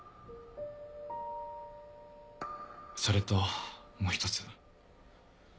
それともう１つ。